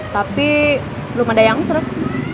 tapi belum ada yang seru